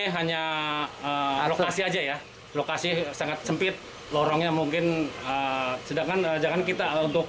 hanya lokasi aja ya lokasi sangat sempit lorongnya mungkin sedangkan jangan kita untuk